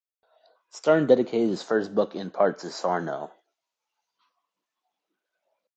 Stern dedicated his first book in part to Sarno.